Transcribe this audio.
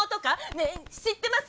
ねえ知ってます？